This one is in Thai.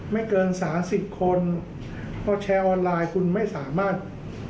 ไม่เกิน๓๐คนเพราะแชร์ออนไลน์คุณไม่สามารถ